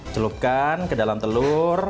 celupkan ke dalam telur